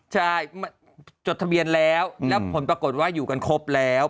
ใช่จดทะเบียนแล้วแล้วผลปรากฏว่าอยู่กันครบแล้ว